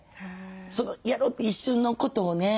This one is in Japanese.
そのやろうって一瞬のことをね